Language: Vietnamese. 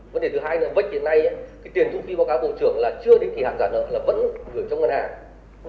vấn đề thứ hai là bách hiện nay cái tiền thu phí báo cáo bộ trưởng là chưa định kỳ hàng giả nợ là vẫn gửi trong ngân hàng